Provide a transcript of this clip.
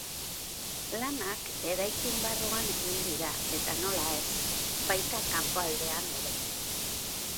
Lanak eraikin barruan egin dira, eta nola ez, baita kanpoaldean ere.